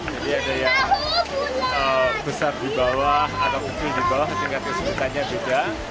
jadi ada yang besar di bawah atau ukir di bawah tingkat kesulitannya juga